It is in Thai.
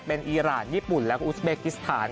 เป็นอีรานญี่ปุ่นแล้วก็อุสเบกิสถาน